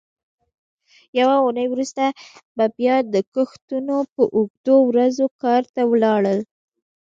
یوه اوونۍ وروسته به بیا د کښتونو په اوږدو ورځو کار ته ولاړل.